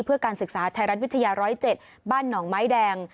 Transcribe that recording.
เพื่อการศึกษาไทยรัฐวิทยา๑๐๗บ้านหนองไม้แดง